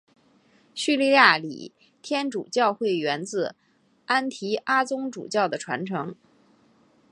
叙利亚礼天主教会源自安提阿宗主教的传承。